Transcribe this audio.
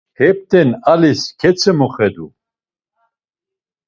Hept̆en alis ketzomoxedu.